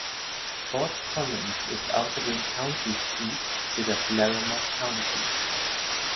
Fort Collins ist außerdem County Seat für das Larimer County.